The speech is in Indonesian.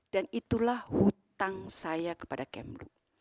dan itulah hutang saya kepada kemlu